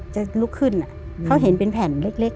จะลุกขึ้นเขาเห็นเป็นแผ่นเล็ก